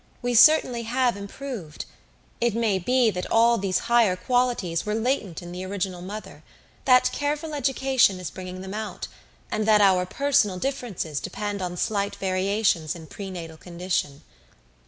"We certainly have improved. It may be that all these higher qualities were latent in the original mother, that careful education is bringing them out, and that our personal differences depend on slight variations in prenatal condition."